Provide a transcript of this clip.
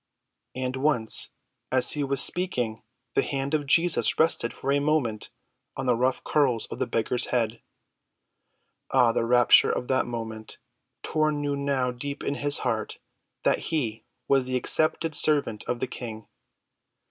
And once, as he was speaking, the hand of Jesus rested for a moment on the rough curls of the beggar's head. Ah, the rapture of that moment! Tor knew now deep in his heart that he was the accepted servant of the King.